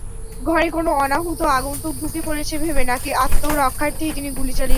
ঘরে কোনো অনাহূত আগন্তুক ঢুকে পড়েছে ভেবে নাকি আত্মরক্ষার্থেই তিনি গুলি চালিয়েছিলেন।